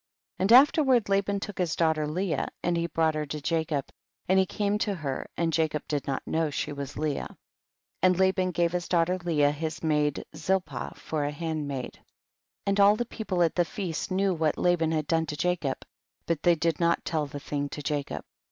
4. And afterward Laban took his daughter Leah, and he brought her to Jacob, and he came to her and Jacob did not know that she was Leah. 5. And Laban gave his daughter Leah his maid Zilpah for a hand maid. 6. And all the people at the feast knew what Laban had done to Jacob, but they did not tell the thing to Ja cob.